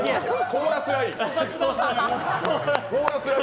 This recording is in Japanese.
「コーラスライン」。